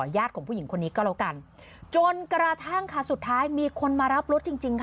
ญาติของผู้หญิงคนนี้ก็แล้วกันจนกระทั่งค่ะสุดท้ายมีคนมารับรถจริงจริงค่ะ